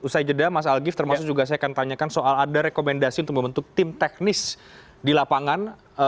usai jeda mas algif termasuk juga saya akan tanyakan soal ada rekomendasi untuk membentuk tim teknis di lapangan